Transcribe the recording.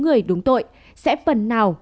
người đúng tội sẽ phần nào